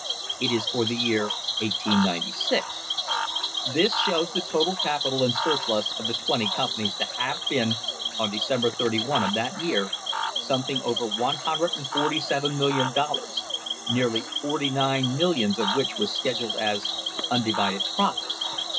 It is for the year 1896. This shows the "total capital and surplus" of the twenty companies to have been, on December 31 of that year, some thing over one hundred and forty seven million dollars, nearly forty nine millions of which was scheduled as "undivided profits."